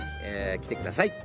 来てください。